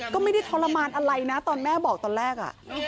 ก็ไม่ได้ทรมานอะไรนะตอนแม่บอกตอนแรก